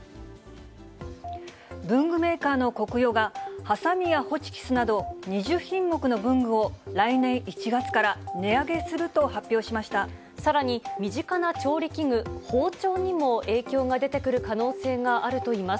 文具メーカーのコクヨが、ハサミやホチキスなど２０品目の文具を来年１月から値上げするとさらに身近な調理器具、包丁にも影響が出てくる可能性があるといいます。